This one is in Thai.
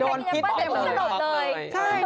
คนแคระกินแอปเปิ้ลแต่กลุ่มสะดดเลย